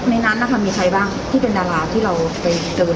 ในนั้นนะคะมีใครบ้างที่เป็นดาราที่เราไปเจอ